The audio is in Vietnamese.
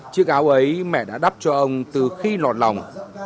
chiếc áo ấy mẹ đã đắp cho ông từ khi lọt lòng